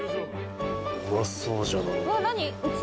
うまそうじゃのう。